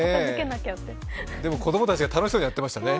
でも、子供たちは楽しそうにやってましたね。